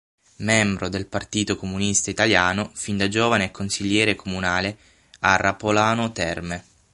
Membro del Partito Comunista Italiano, fin da giovane è consigliere comunale a Rapolano Terme.